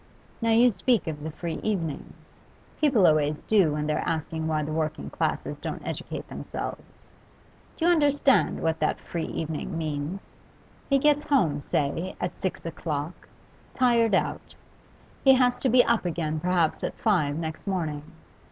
Now, you speak of the free evenings; people always do, when they're asking why the working classes don't educate themselves. Do you understand what that free evening means? He gets home, say, at six o'clock, tired out; he has to be up again perhaps at five next morning.